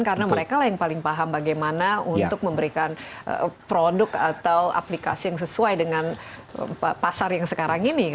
karena mereka yang paling paham bagaimana untuk memberikan produk atau aplikasi yang sesuai dengan pasar yang sekarang ini